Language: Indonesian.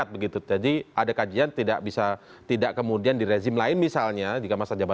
terima kasih tante sen papa